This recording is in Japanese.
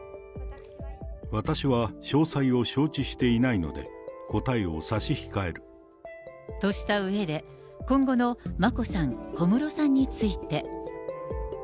私は詳細を承知していないので、としたうえで、今後の眞子さん、小室さんについて。